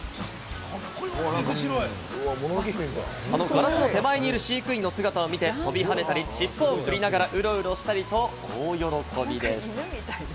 ガラスの手前にいる飼育員の姿を見て飛び跳ねたり、尻尾をふり、ながらウロウロしたりと大喜びなんです。